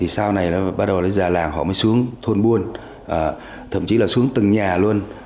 sau này bắt đầu già làng họ mới xuống thôn buôn thậm chí là xuống từng nhà luôn